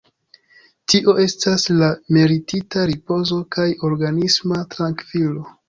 Tio estas la meritita ripozo kaj organisma trankvilo.